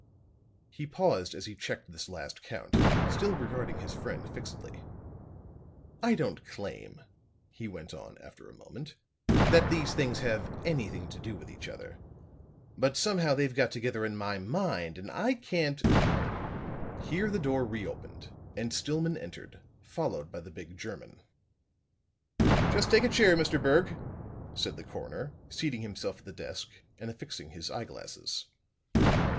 He paused as he checked this last count, still regarding his friend fixedly. "I don't claim," he went on, after a moment, "that these things have anything to do with each other. But, somehow, they've got together in my mind, and I can't " Here the door re opened and Stillman entered, followed by the big German. "Just take a chair, Mr. Berg," said the coroner, seating himself at the desk and affixing his eyeglasses.